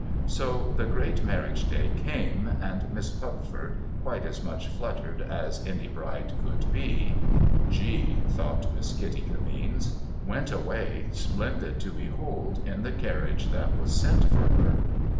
So, the great marriage day came, and Miss Pupford, quite as much fluttered as any bride could be (G ! thought Miss Kitty Kimmeens), went away, splendid to behold, in the carriage that was sent for her.